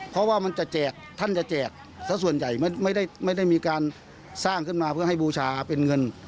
เพราะว่ามันจะแจกท่านจะแจกซะส่วนใหญ่ไม่ได้มีการสร้างขึ้นมาเพื่อให้บูชาเป็นเงิน